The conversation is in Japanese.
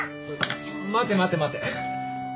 待て待て待て。